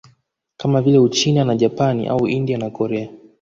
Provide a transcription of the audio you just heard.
Kama vile Uchina na Japani au India na Korea